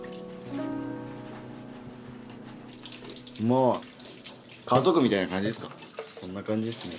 今は家族みたいな感じですか。